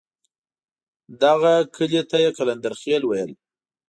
دغه کلي ته یې قلندرخېل ویل.